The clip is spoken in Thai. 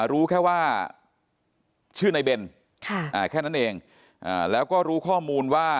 รู้แค่ว่าชื่อในเบนแค่นั้นเองแล้วก็รู้ข้อมูลว่า